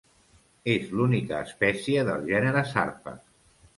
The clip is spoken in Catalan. És l'única espècie del gènere Sarpa.